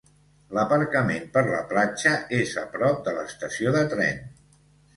L'aparcament per la platja és a prop de l'estació de tren.